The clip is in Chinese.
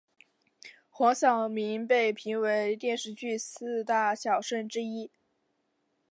黄晓明被评为电视剧四大小生之一。